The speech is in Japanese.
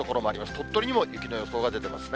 鳥取にも雪の予想が出てますね。